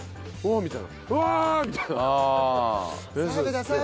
みたいな。